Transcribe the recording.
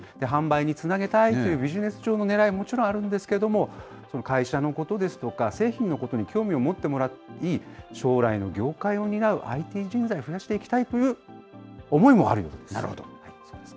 販売につなげたいというビジネス上のねらいももちろんあるんですけど、会社のことですとか、製品のことに興味を持ってもらい、将来の業界を担うＩＴ人材を増やしていきたいという思いもあるようなるほど。